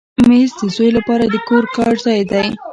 مېز د زوی لپاره د کور کار ځای دی.